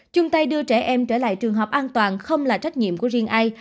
chúng ta đưa trẻ em trở lại trường học an toàn không là trách nhiệm của riêng ai